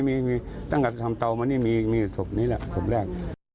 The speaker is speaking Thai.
มีตั้งแต่ทำเตามานี่มีศพนี้แหละศพแรก